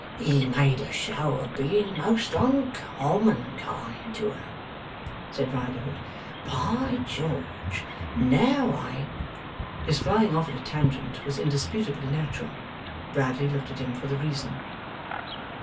'He made a show of being most uncommon kind to her,' said Riderhood. 'By George! now I ' His flying off at a tangent was indisputably natural. Bradley looked at him for the reason.